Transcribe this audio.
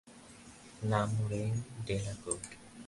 নাম Rain Delacorte.